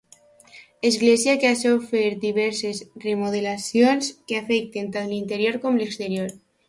Església que ha sofert diverses remodelacions que afecten tant l'interior com l'exterior.